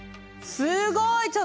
すごい！